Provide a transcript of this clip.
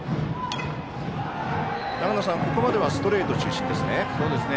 長野さん、ここまではストレート中心ですね。